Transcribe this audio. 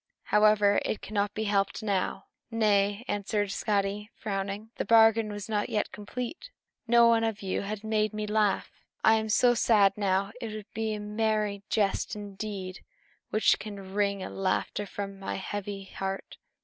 However, it cannot be helped now." "Nay," answered Skadi, frowning, "the bargain is not yet complete. No one of you has made me laugh. I am so sad now, that it will be a merry jest indeed which can wring laughter from my heavy heart."